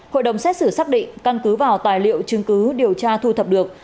hội đồng xét xử xác định căn cứ vào tài liệu chứng cứ điều tra thu thập được